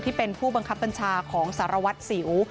ผู้เป็นผู้บังคับบัญชาของสารวัตรสิว